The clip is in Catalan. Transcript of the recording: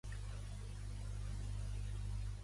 Quina ment tan meravellosament perversa, la d'aquest home!